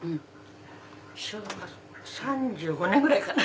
昭和３５年ぐらいかな。